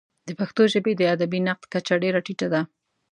د پښتو ژبې د ادبي نقد کچه ډېره ټیټه ده.